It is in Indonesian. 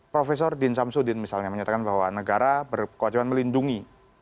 profesor dean shamsuddin misalnya menyatakan bahwa negara berkewajiban melindungi